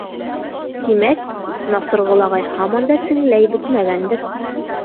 Тимәк, Насырғол ағай һаман да сеңләй бөтмәгәндер.